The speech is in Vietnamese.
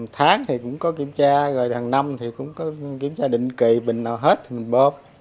tháng thì cũng có kiểm tra rồi hàng năm thì cũng có kiểm tra định kỳ bình nào hết thì mình bóp